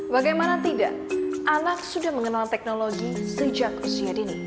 bagaimana tidak anak sudah mengenal teknologi sejak usia dini